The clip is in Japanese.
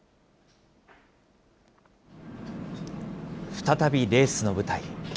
再びレースの舞台へ。